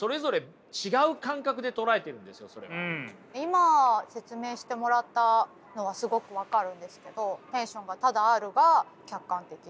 今説明してもらったのはすごく分かるんですけどテンションがただあるが客観的で。